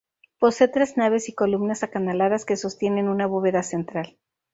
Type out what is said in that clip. Posee tres naves y columnas acanaladas que sostienen una bóveda central.